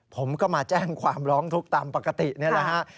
ผมก็มาแจ้งความร้องทุกข์ตามปกตินี่แหละฮะ